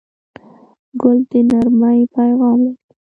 ګل د نرمۍ پیغام لري.